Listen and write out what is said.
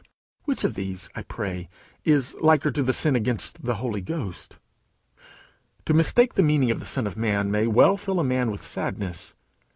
Which of these, I pray, is liker to the sin against the Holy Ghost? To mistake the meaning of the Son of man may well fill a man with sadness.